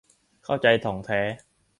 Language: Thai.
เข้าใจถ่องแท้